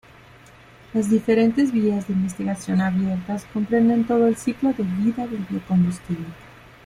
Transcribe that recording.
Las diferentes vías de investigación abiertas comprenden todo el ciclo de vida del biocombustible.